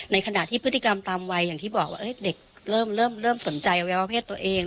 ขณะที่พฤติกรรมตามวัยอย่างที่บอกว่าเด็กเริ่มสนใจอวัยวะเพศตัวเอง